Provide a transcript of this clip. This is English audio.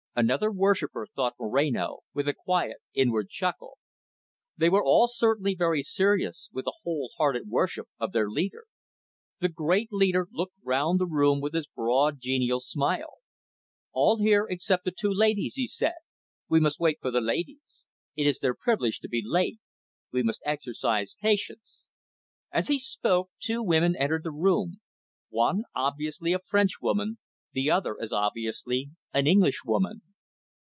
Another worshipper, thought Moreno, with a quiet, inward chuckle. They were all certainly very serious, with a whole hearted worship of their leader. The great leader looked round the room with his broad, genial smile. "All here, except the two ladies," he said. "We must wait for the ladies. It is their privilege to be late. We must exercise patience." As he spoke, two women entered the room, one obviously a Frenchwoman, the other as obviously an Englishwoman.